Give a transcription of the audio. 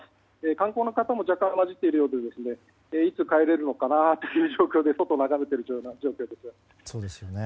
観光の方も若干、交じっているようでいつ帰れるのかなという状況で外を眺めていますね。